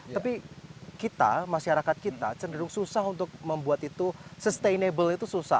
tapi kita masyarakat kita cenderung susah untuk membuat itu sustainable itu susah